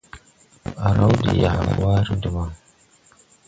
A raw de yaggare debaŋ.